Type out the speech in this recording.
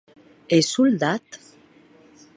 Ès soldat?